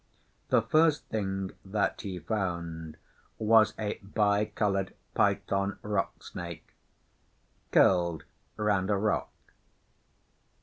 The first thing that he found was a Bi Coloured Python Rock Snake curled round a rock.